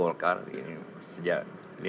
saya dekat dengan pak irwana langkah sejak dulu